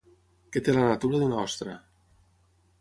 Que té la natura d'una ostra.